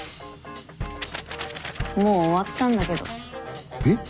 もう終わったんだけど